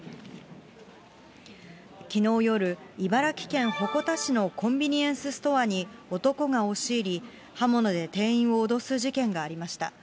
きのう夜、茨城県鉾田市のコンビニエンスストアに男が押し入り、刃物で店員を脅す事件がありました。